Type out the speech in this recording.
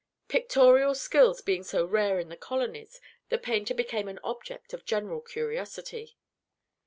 Pictorial skill being so rare in the colonies, the painter became an object of general curiosity.